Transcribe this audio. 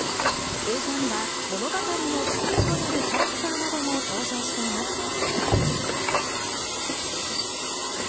映像には、物語のキーとなるキャラクターなども登場しています。